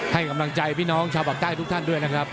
ให้กำลังใจพี่น้องชาวปากใต้ทุกท่านด้วยนะครับ